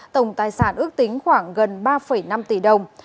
tổng tài sản ước tính khoảng gần ba năm tỷ đồng